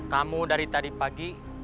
kamu dari tadi pagi